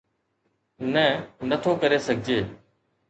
نه، نه ٿو ڪري سگھجي.